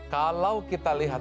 kalau kita lihat